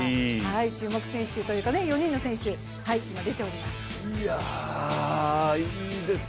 注目選手、４人の選手が出ております。